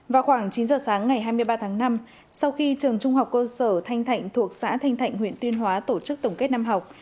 vào khoảng chín giờ sáng ngày hai mươi ba tháng năm sau khi trường trung học cơ sở thanh thạnh thuộc xã thanh thạnh huyện tuyên hóa tổ chức tổng kết năm học